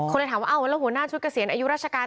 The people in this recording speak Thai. เลยถามว่าอ้าวแล้วหัวหน้าชุดเกษียณอายุราชการ